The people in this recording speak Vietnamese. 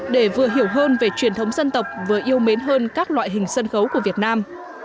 để vừa hiểu hơn về truyền thống dân tộc vừa yêu mến hơn các loại hình sân khấu của việt nam